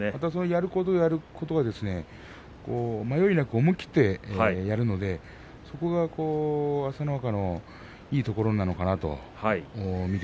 やることやること迷いなく思い切ってやるのでそこが朝乃若のいいところなのかなと。